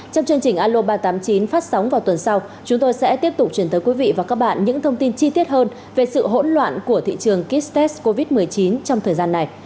trong chương trình alo ba trăm tám mươi chín phát sóng vào tuần sau chúng tôi sẽ tiếp tục chuyển tới quý vị và các bạn những thông tin chi tiết hơn về sự hỗn loạn của thị trường kit test covid một mươi chín trong thời gian này